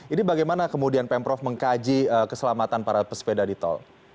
ini bagaimana kemudian pemprov mengkaji keselamatan para pesepeda di tol